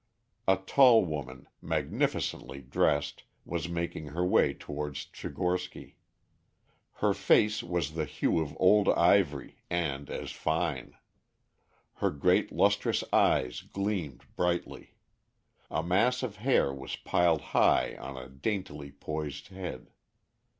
A tall woman, magnificently dressed, was making her way towards Tchigorsky. Her face was the hue of old ivory, and as fine; her great lustrous eyes gleamed brightly; a mass of hair was piled high on a daintily poised head.